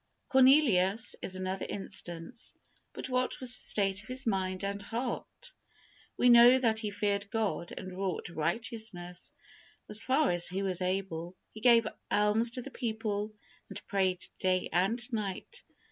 Cornelius, is another instance, but what was the state of his mind and heart? We know that he feared God and wrought righteousness, as far as he was able. He gave alms to the people, and prayed day and night.